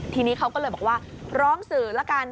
ทีนี้เขาก็เลยบอกว่าร้องสื่อละกัน